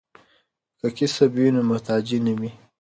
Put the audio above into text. که کسب وي نو محتاجی نه وي.